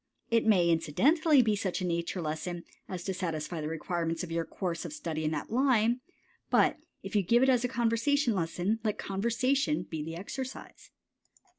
It may incidentally be such a nature lesson as to satisfy the requirements of your course of study in that line, but if you give it as a conversation lesson, let conversation be the exercise.